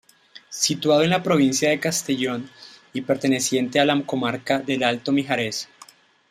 Situado en la provincia de Castellón y perteneciente a la comarca del Alto Mijares.